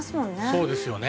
そうですよね。